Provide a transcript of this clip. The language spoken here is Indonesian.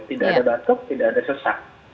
tidak ada batuk tidak ada sesak